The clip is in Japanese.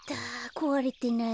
こわれてない。